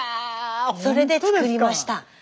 それで作りました。